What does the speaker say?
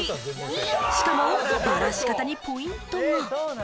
しかもバラし方にポイントが。